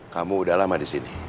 kamu udah lama di sini